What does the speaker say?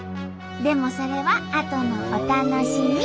でもそれはあとのお楽しみ！